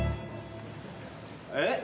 えっ？